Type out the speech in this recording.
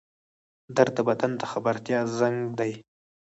درد د بدن د خبرتیا زنګ دی